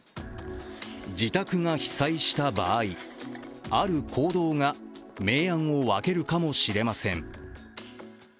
自宅が被災した場合、ある行動が明暗を分けるかもしれません。